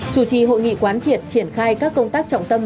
chủ trì hội nghị quán triệt triển khai các công tác trọng tâm